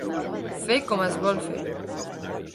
Fer com que es vol fer.